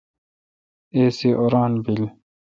اے سی اوران بیل۔